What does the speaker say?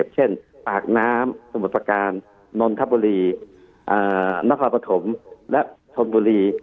เช่นปากน้ำสมุทรประการนนทบุรีนครปฐมและชนบุรี